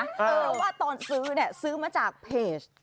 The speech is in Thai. เขาว่าตอนซื้อซื้อมาจากเพจ